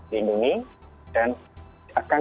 lindungi dan akan